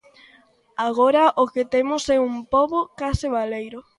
Agora o que temos é un pobo case baleiro.